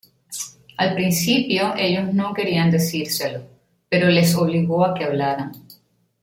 Al principio ellos no querían decírselo, pero les obligó a que hablaran.